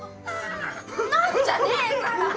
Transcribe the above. んなんじゃねえから！